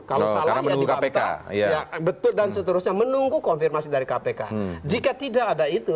kalau salah ya dibantah betul dan seterusnya menunggu konfirmasi dari kpk jika tidak ada itu